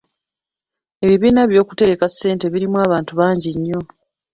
Ebibiina by'okutereka ssente birimu abantu bangi nnyo.